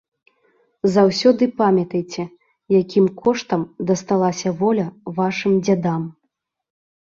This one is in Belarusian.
Заўсёды памятайце, якім коштам дасталася воля вашым дзядам!